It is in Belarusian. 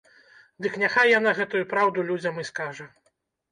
Дык няхай яна гэтую праўду людзям і скажа!